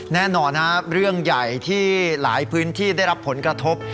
แน่นอนครับเรื่องใหญ่ที่หลายพื้นที่ได้รับผลกระทบ